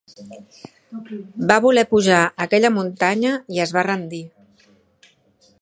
Va voler pujar aquella muntanya i es va rendir.